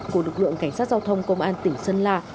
của lực lượng cảnh sát giao thông công an tỉnh sơn la